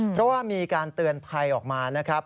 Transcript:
เพราะว่ามีการเตือนภัยออกมานะครับ